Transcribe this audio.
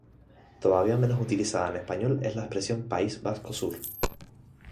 Todavía menos utilizada en español es la expresión "País Vasco sur".